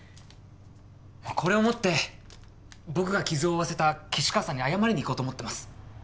これを持って僕が傷を負わせた岸川さんに謝りに行こうと思ってます。